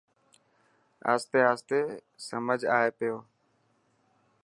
آهستي آهستي سمجهه آئي پيو.